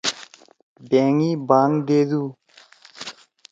بأنگی بانگ دیدُو۔